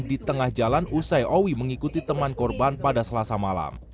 di tengah jalan usai owi mengikuti teman korban pada selasa malam